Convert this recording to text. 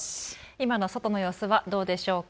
今の外の様子はどうでしょうか。